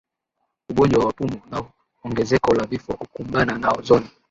ugonjwa wa pumu na ongezeko la vifo Kukumbana na ozoni